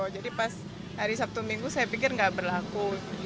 jadi pas hari sabtu minggu saya pikir nggak berlaku